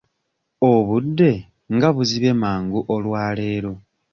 Obudde nga buzibye mangu olwaleero?